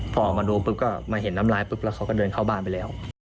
พอออกมาดูปุ๊บก็มาเห็นน้ำลายปุ๊บแล้วเขาก็เดินเข้าบ้านไปแล้ว